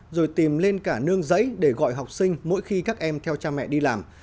rồi tìm lên cả nương giấy để gọi học sinh mỗi khi các em theo cha mẹ đi làm